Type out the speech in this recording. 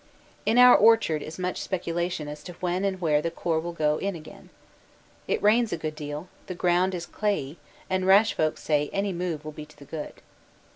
* In our orchard is much speculation as to when and where the Corps will go in again. It rains a good deal, the ground is clayey, and rash folk say any move will be to the good.